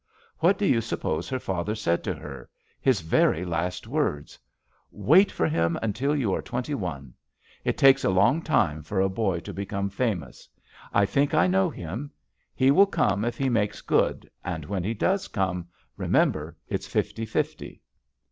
What do you suppose her father said to her — his very last words? — *wait for him until you are twenty one. It takes a long time for a boy to become famous. I think I know him. He wiU come if he makes good, and when he does come, remember it's fifty fifty.'